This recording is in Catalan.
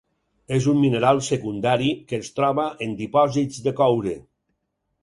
És un mineral secundari que es troba en dipòsits de coure.